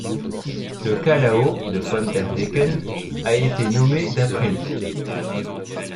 Le Calao de von der Decken a été nommé d'après lui.